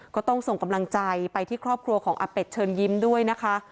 ก็ต้องส่งกำลังใจไปที่ครอบครัวของอาเป็ดเชิญยิ้มด้วยนะคะ